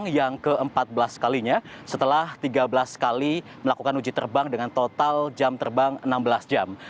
pesawat ini melakukan uji terbang ke empat belas kalinya setelah tiga belas kali melakukan uji terbang dengan total jam terbang enam belas jam